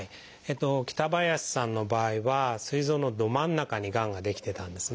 北林さんの場合はすい臓のど真ん中にがんが出来てたんですね。